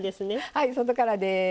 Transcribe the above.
はい外からです。